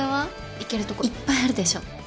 行けるとこいっぱいあるでしょ。